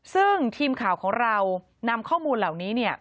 ซึ่งทีมข่าวของเรานำข้อมูลเหล่านี้เนี่ย